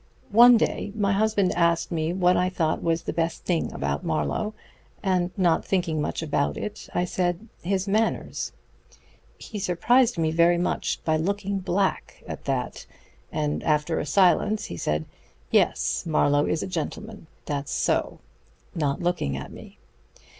One day my husband asked me what I thought was the best thing about Marlowe, and not thinking much about it I said, 'His manners.' He surprised me very much by looking black at that, and after a silence he said, 'Yes, Marlowe is a gentleman, that's so' not looking at me.